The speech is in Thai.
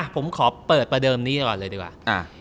ผมขอเปิดประเดิมนี้ก่อนเลยดีกว่า